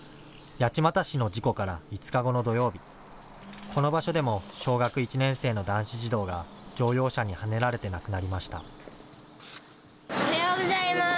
八街市の事故から５日後の土曜日、この場所でも小学１年生の男子児童が乗用車にはねられて亡くなりました。